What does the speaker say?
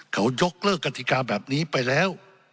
เขายกเลิกกฎิกาแบบนี้ไปแล้ว